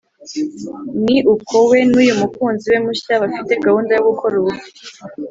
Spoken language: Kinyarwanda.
ni uko we n’uyu mukunzi we mushya bafite gahunda yo gukora ubukwe